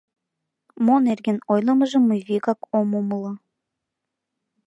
Мо нерген ойлымыжым мый вигак ом умыло.